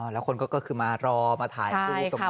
แล้วคนก็คือมารอมาถ่ายรูปตรงนี้